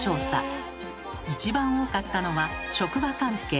一番多かったのは「職場関係」。